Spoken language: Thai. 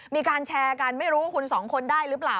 มีการแชร์กันไม่รู้ว่าคุณสองคนได้หรือเปล่า